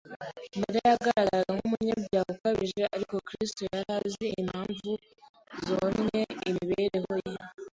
Mariya yagaragaraga nk'umunyabyaha ukabije ariko Kristo yari azi impamvu zononnye imibereho ye